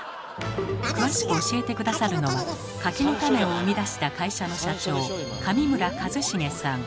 詳しく教えて下さるのは「柿の種」を生み出した会社の社長